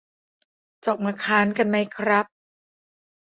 จะออกมาค้านกันไหมครับ